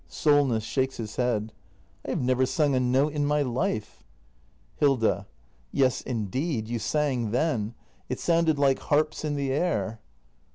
SOLNESS. [SJiaJces his head.] I have never sung a note in my life. Hilda. Yes indeed, you sang then. It sounded like harps in the air.